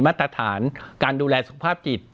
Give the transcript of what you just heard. มาตรฐานการดูแลสุขภาพจิต